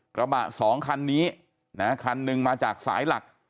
กระบะสองคันนี้คันหนึ่งมาจากสายหลัก